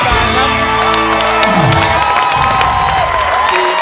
รับแล้ว